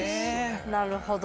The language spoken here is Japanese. なるほど。